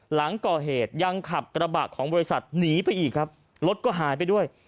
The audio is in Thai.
หลังก่อเหตุยังขับกระบะของบริษัทหนีไปอีกครับรถก็หายไปด้วย